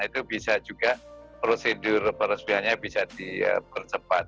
itu bisa juga prosedur peresmiannya bisa dipercepat